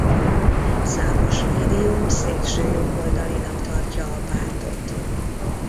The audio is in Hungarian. Számos médium szélsőjobboldalinak tartja a pártot.